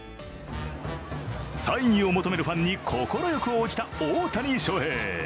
サインを求めるファンに快く応じた、大谷翔平。